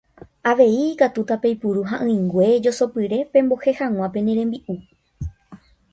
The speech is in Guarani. Avei ikatúta peipuru ha'ỹingue josopyre pembohe hag̃ua pene rembi'u.